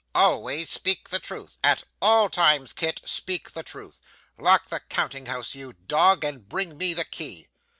Always speak the truth. At all times, Kit, speak the truth. Lock the counting house, you dog, and bring me the key.